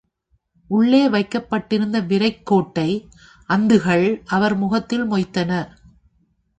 உள்ளே வைக்கப்பட்டிருந்த விரைக்கோட்டை அந்துகள் அவர் முகத்தில் மொய்த்தன.